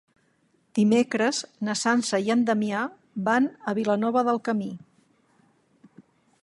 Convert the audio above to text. Dimecres na Sança i en Damià van a Vilanova del Camí.